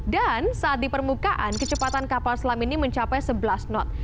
dan saat di permukaan kecepatan kapal selam ini mencapai sebelas knot